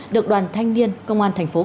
được đoàn thanh niên công an tp cần thơ phối hợp